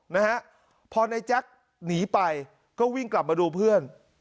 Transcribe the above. นะฮะพอในแจ๊คหนีไปก็วิ่งกลับมาดูเพื่อน